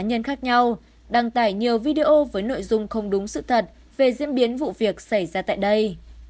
những tài khoản cá nhân khác đăng tải nhiều video với nội dung không đúng sự thật về diễn biến vụ việc xảy ra tại đây